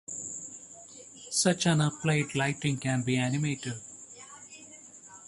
Such an applied lighting can be animated.